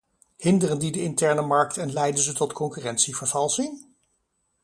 Hinderen die de interne markt en leiden ze tot concurrentievervalsing?